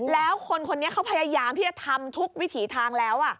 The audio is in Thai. แล้วคนคนนี้เขาพยายามที่จะทำทุกวิถีทางแล้ว